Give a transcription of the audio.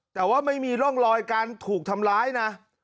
แต่ว่าไม่มีร่องรอยการถูกทำร้ายนะ